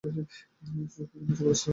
সে কি কোন সুপারস্টার?